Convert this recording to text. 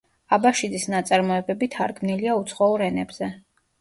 აბაშიძის ნაწარმოებები თარგმნილია უცხოურ ენებზე.